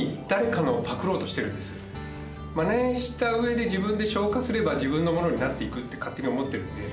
マネした上で自分で消化すれば自分のものになっていくって勝手に思ってるんで。